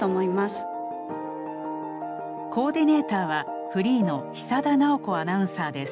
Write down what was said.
コーディネーターはフリーの久田直子アナウンサーです。